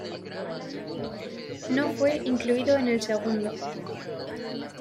No fue incluido en el segundo.